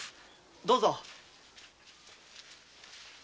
どうぞ！